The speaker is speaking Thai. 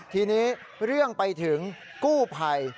ทีนี้เรื่องไปถึงกู้ภัย